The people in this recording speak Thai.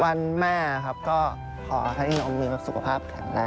วันแม่ครับก็ขอให้น้องมีแบบสุขภาพแข็งแรง